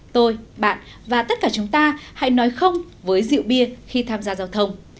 tôi bạn và tất cả chúng ta hãy nói không với rượu bia khi tham gia giao thông